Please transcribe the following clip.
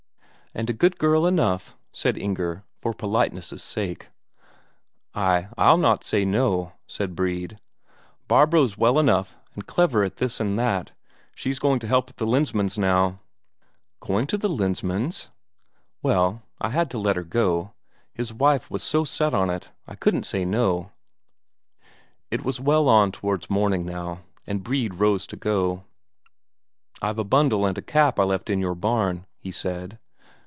"And a good girl enough," said Inger, for politeness' sake. "Ay, I'll not say no," said Brede. "Barbro's well enough, and clever at this and that she's going to help at the Lensmand's now." "Going to the Lensmand's?" "Well, I had to let her go his wife was so set on it, I couldn't say no." It was well on towards morning now, and Brede rose to go. "I've a bundle and a cap I left in your barn," he said.